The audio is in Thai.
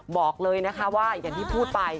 บอกเลยนะคะว่าอย่างที่พูดไป